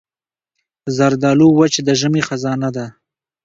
زردالو وچ د ژمي خزانه ده.